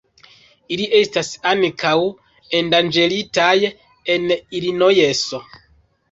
Ili estas ankaŭ endanĝeritaj en Ilinojso.